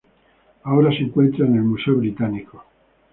Ahora se encuentra en el Museo Británico.